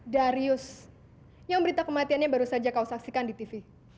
darius yang berita kematiannya baru saja kau saksikan di tv